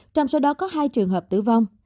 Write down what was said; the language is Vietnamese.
trong số đó có hai trường hợp tử vong